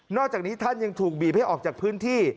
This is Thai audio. อกจากนี้ท่านยังถูกบีบให้ออกจากพื้นที่